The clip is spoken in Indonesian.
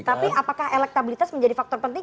tapi apakah elektabilitas menjadi faktor penting